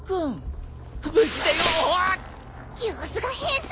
様子が変さ！